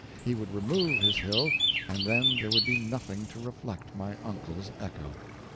He would remove his hill, and then there would be nothing to reflect my uncle's echo.